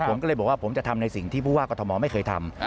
ผมก็เลยบอกว่าผมจะทำในสิ่งที่ผู้ว่ากรทมไม่เคยทำ